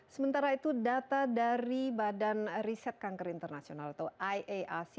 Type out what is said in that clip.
sementara itu data dari badan riset kanker internasional atau iarc